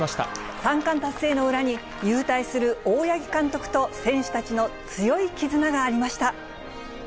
三冠達成の裏に、勇退する大八木監督と選手たちの強い絆がありました。